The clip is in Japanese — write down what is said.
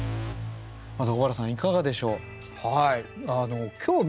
まず尾原さんいかがでしょう？